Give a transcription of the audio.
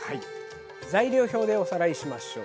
材料表でおさらいしましょう。